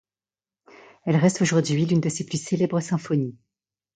Elle reste aujourd'hui l'une de ses plus célèbres symphonies.